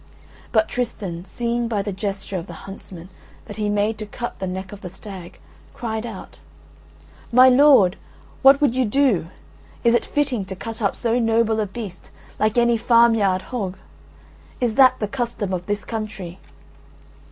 But Tristan, seeing by the gesture of the huntsman that he made to cut the neck of the stag, cried out: "My lord, what would you do? Is it fitting to cut up so noble a beast like any farm yard hog? Is that the custom of this country?"